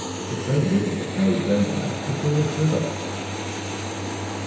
The same wind that carries them back would bring us thither.'